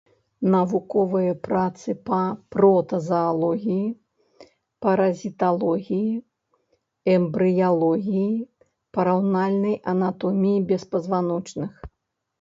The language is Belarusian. Навуковыя працы па протазаалогіі, паразіталогіі, эмбрыялогіі, параўнальнай анатоміі беспазваночных.